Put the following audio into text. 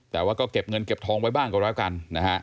แต่ว่าก็เก็บเงินเก็บทองไว้บ้างก็แล้วกันนะฮะ